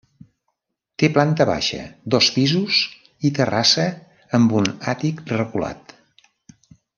Té planta baixa, dos pisos i terrassa amb un àtic reculat.